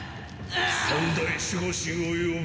三大守護神を呼べ。